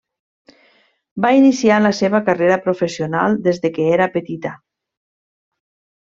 Va iniciar la seva carrera professional des que era petita.